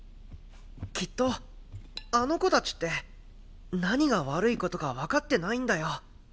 きっとあの子たちって何が悪いことか分かってないんだよ。